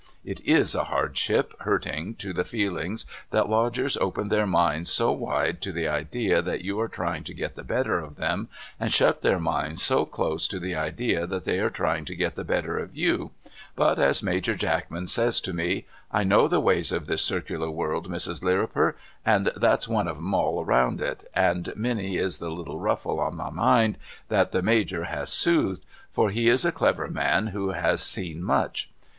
It is a hardship hurting to the feelings that Lodgers open their minds so wide to the idea that you are trying to get the better of them and shut their minds so close to the idea that they are trying to get the better of you, but as Major Jackman says to me ' I know the ways of this circular world Mrs. Lirriper, and that's one of 'em all round it ' and many is the little ruffle in my mind that the Major has smoothed, for he is a clever man who has seen much.